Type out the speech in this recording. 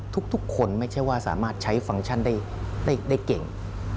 ทุกคนไม่ใช่ว่าสามารถใช้ฟังก์ชันได้เก่ง